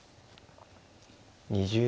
２０秒。